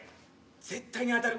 絶対に当たる。